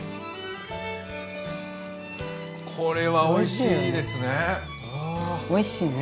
これはおいしいですね。